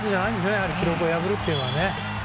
やはり記録を破るっていうのはね。